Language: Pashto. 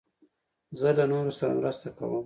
زه له نورو سره مرسته کوم.